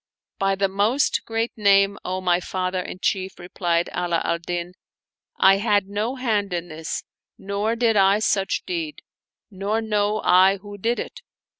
" By the Most Great Name, O my father and chief," re plied Ala al Din, " I had no hand in this, nor did I such deed, nor know I who did it."